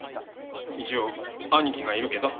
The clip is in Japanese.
一応兄貴がいるけど。